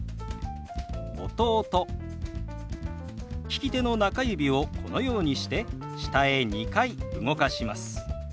利き手の中指をこのようにして下へ２回動かします。